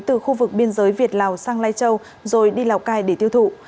từ khu vực biên giới việt lào sang lai châu rồi đi lào cai để tiêu thụ